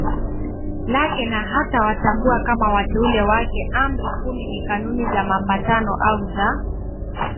lake na hatawatambua kama wateule wake Amri kumi ni Kanuni za Mapatano au za